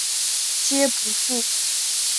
皆不赴。